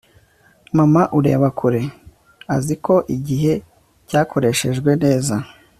mama ureba kure, azi ko igihe cyakoreshejwe neza